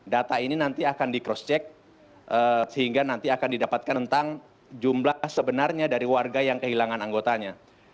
data ini nanti akan di cross check sehingga nanti akan didapatkan tentang jumlah sebenarnya dari warga yang kehilangan anggotanya